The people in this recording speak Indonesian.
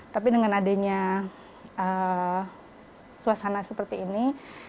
tapi dengan adanya suasana seperti ini